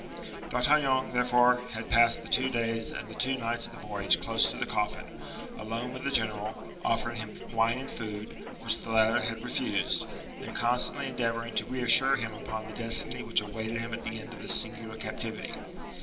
D'Artagnan, therefore, had passed the two days and the two nights of the voyage close to the coffin, alone with the general, offering him wine and food, which the latter had refused, and constantly endeavoring to reassure him upon the destiny which awaited him at the end of this singular captivity.